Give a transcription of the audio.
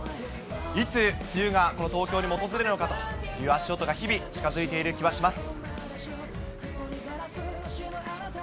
いつ、梅雨がこの東京にも訪れるのかという足音が日々、近づいている気がします。